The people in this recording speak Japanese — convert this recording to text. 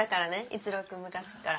一郎君昔から。